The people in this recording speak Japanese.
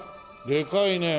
でかいね。